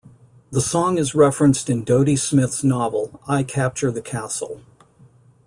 The song is referenced in Dodie Smith's novel I Capture the Castle.